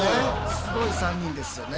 すごい３人ですよね。